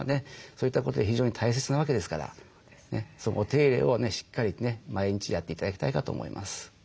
そういったことで非常に大切なわけですからそこ手入れをしっかりね毎日やって頂きたいかと思います。